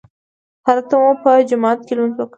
هلته مو په جومات کې لمونځ وکړ.